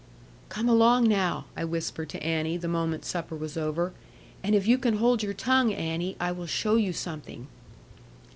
'Come along, now,' I whispered to Annie, the moment supper was over; 'and if you can hold your tongue, Annie, I will show you something.'